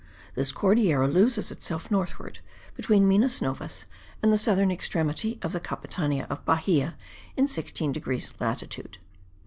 This Cordillera loses itself northward,* between Minas Novas and the southern extremity of the Capitania of Bahia, in 16 degrees latitude.